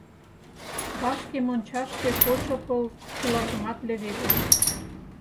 Вашке мончаште кочо пыл чылажымат леведе.